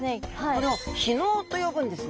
これを被のうと呼ぶんですね。